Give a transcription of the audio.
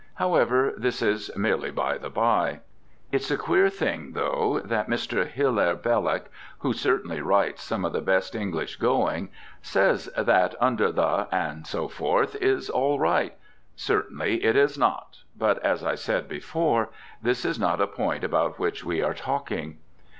However, this is merely by the by. It's a queer thing, though, that Mr. Hilaire Belloc, who certainly writes some of the best English going, says that "under the" and so forth is all right. Certainly it is not. But, as I said before, this is not a point about which we are talking.